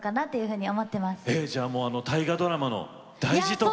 えっじゃあもう大河ドラマの題字とか。